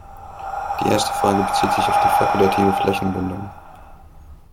Die erste Frage bezieht sich auf die fakultative Flächenbindung.